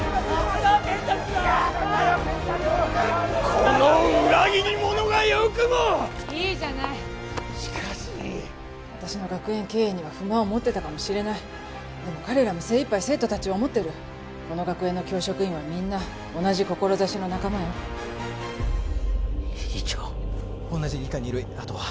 この裏切り者がよくもいいじゃないしかし私の学園経営には不満を持ってたかもしれないでも彼らも精いっぱい生徒達を思ってるこの学園の教職員はみんな同じ志の仲間よ理事長同じ理科２類あとは？